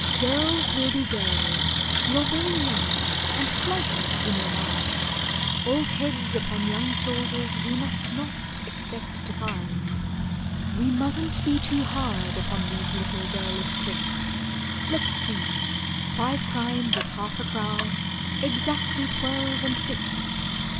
"Girls will be girls—you're very young, and flighty in your mind; Old heads upon young shoulders we must not expect to find: We mustn't be too hard upon these little girlish tricks— Let's see—five crimes at half a crown—exactly twelve and six."